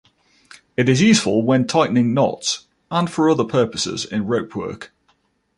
It is useful when tightening knots and for other purposes in ropework.